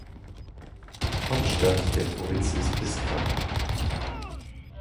Hauptstadt der Provinz ist Biskra.